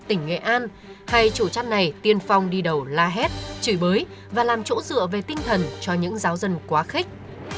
tỉnh nghệ an hay chủ chăn này tiên phong đi đầu la hét chửi bới và làm chỗ dựa về tinh thần cho những giáo dân quá khích